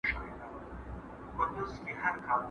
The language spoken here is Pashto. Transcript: ¬ لښکر که ډېر وي، بې سره هېر وي.